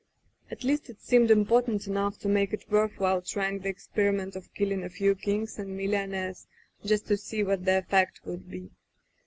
'^At least it seemed important enough to make it worth while trying the experiment of killing a few kings and millionaires just to see what the effect would be.